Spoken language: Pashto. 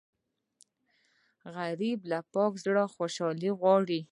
غریب له پاک زړه خوشالي غواړي